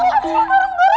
aduh asli bareng bareng